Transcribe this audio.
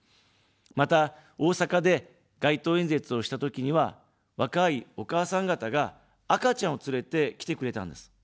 また、大阪で街頭演説をしたときには、若いお母さん方が、赤ちゃんを連れて来てくれたんです。